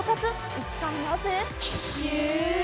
一体なぜ？